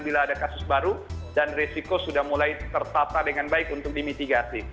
bila ada kasus baru dan resiko sudah mulai tertata dengan baik untuk dimitigasi